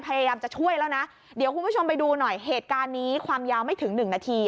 พยายามจะช่วยแล้วนะเดี๋ยวคุณผู้ชมไปดูหน่อยเหตุการณ์นี้ความยาวไม่ถึงหนึ่งนาที